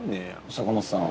坂本さん。